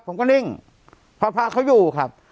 ผมก็นิ่งเพราะพระเขาอยู่ครับ